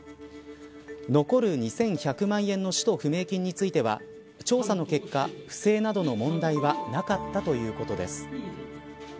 残る２１００万円の使途不明金については調査の結果、不正などの問題はなかったということです。